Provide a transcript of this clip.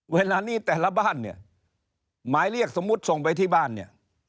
หมายเรียกสมมุติส่งไปที่บ้าน